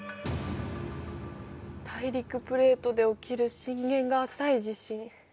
大陸プレートで起きる震源が浅い地震。